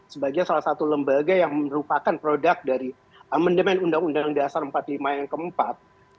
sebagai salah satu lembaga yang merupakan produk dari amendement undang undang dasar empat puluh lima yang keempat